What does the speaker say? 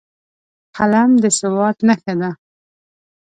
قلم د سواد نښه ده